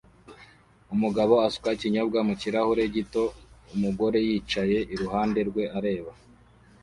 Umugabo usuka ikinyobwa mu kirahure gito umugore yicaye iruhande rwe areba